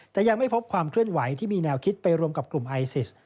แต่ยังไม่พบความเคลื่อนไหวที่มีแนวคิดไปรวมกับกลุ่มไอซิส